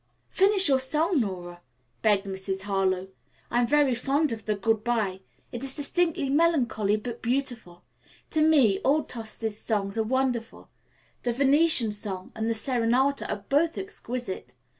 "Finish your song, Nora," begged Mrs. Harlowe. "I am very fond of the 'Good bye.' It is distinctly melancholy, but beautiful. To me, all Tosti's songs are wonderful. The 'Venetian Song' and the 'Serenata' are both exquisite.